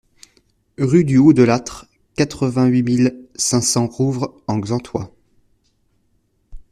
Rue du Haut de l'Âtre, quatre-vingt-huit mille cinq cents Rouvres-en-Xaintois